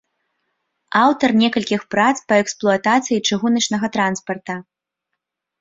Аўтар некалькіх прац па эксплуатацыі чыгуначнага транспарта.